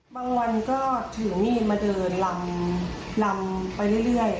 บางวันก็ถึงนี่มาเดินลำลำไปเรื่อย